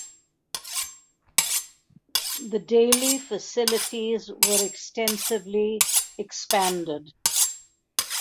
The daily facilities were extensively expanded.